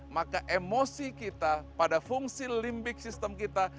maka emosi kita pada fungsi limbik sistem kita